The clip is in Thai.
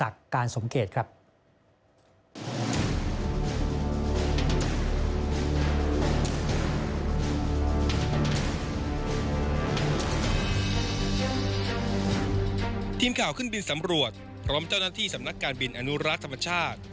ทีมข่าวขึ้นบินสำรวจพร้อมเจ้าหน้าที่สำนักการบินอนุรักษ์ธรรมชาติ